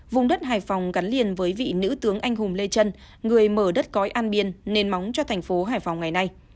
vùng đất hải phòng gắn liền với vị nữ tướng anh hùng lê trân người mở đất cói an biên nền móng cho thành phố hải phòng ngày nay